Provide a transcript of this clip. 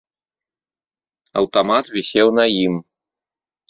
Аўтамат вісеў на ім.